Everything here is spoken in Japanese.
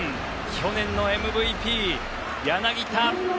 去年のＭＶＰ、柳田！